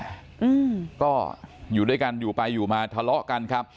อืมก็อยู่ด้วยกันอยู่ไปอยู่มาทะเลาะกันครับ